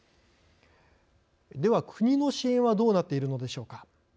では国の支援はどうなっているのでしょうか。